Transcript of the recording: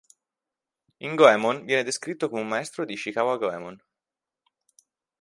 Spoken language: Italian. In "Goemon" viene descritto come un maestro di Ishikawa Goemon.